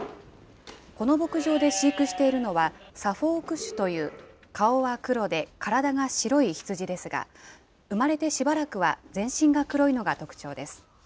この牧場で飼育しているのは、サフォーク種という、顔は黒で、体が白い羊ですが、生まれてしばらくは全身が黒いのが特徴です。